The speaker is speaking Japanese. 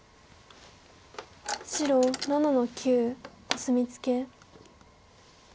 白７の九コスミツケ。